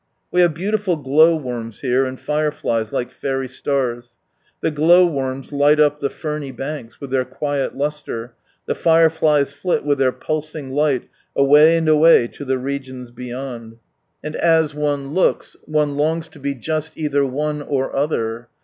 We have beautiful glow worms here, and fire flies, like fairy stars. The glow worms light up the ferny banks, with their quiet lustre, the fire flies flit with their pulsing light away and away to the regions beyond. And as one looks one longs lo be just cither one or other.